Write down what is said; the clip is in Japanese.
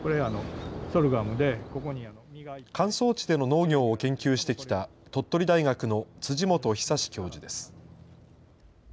乾燥地での農業を研究してきた鳥取大学の辻本壽教授です。